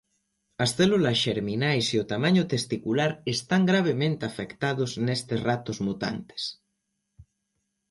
As células xerminais e o tamaño testicular están gravemente afectados nestes ratos mutantes.